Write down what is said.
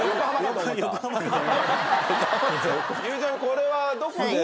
これはどこで？